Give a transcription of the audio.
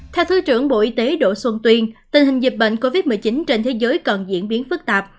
theo thứ trưởng bộ y tế đỗ xuân tuyên tình hình dịch bệnh covid một mươi chín trên thế giới còn diễn biến phức tạp